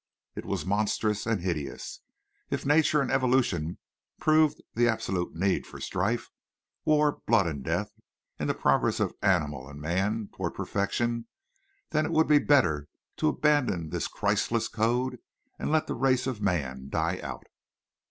It was monstrous and hideous. If nature and evolution proved the absolute need of strife, war, blood, and death in the progress of animal and man toward perfection, then it would be better to abandon this Christless code and let the race of man die out.